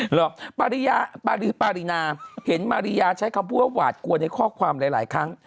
เหรอปารีปารินาเห็นมาริยาใช้คำพูดว่าหวาดกลัวในข้อความหลายครั้ง